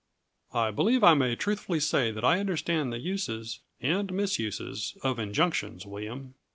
"I believe I may truthfully say that I understand the uses and misuses of injunctions, William.